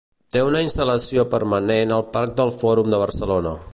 Té una instal·lació permanent al Parc del Fòrum de Barcelona.